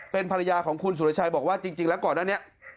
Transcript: เป็นภรรยาของคุณสุรชัยบอกว่าจริงแล้วก่อนอันนี้